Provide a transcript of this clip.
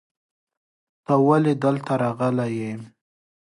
ته ولې دلته راغلی یې؟